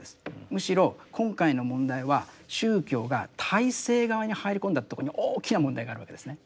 むしろ今回の問題は宗教が体制側に入り込んだとこに大きな問題があるわけですね。